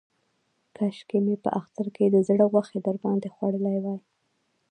کاشکې مې په اختر کې د زړه غوښې در باندې خوړلې وای.